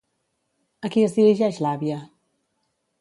A qui es dirigeix l'àvia?